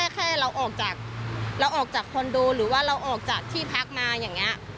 แค่เราออกจากเราออกจากคอนโดหรือว่าเราออกจากที่พักมาอย่างนี้